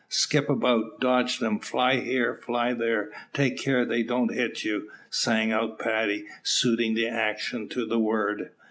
"Skip about dodge them fly here fly there; take care they don't hit you," sang out Paddy, suiting the action to the word.